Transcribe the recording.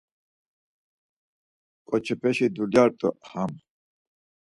Ǩoçepeşi dulyart̆u ham.